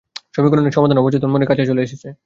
সমীকরণের সমাধান অবচেতন মনের কাছে চলে এসেছে।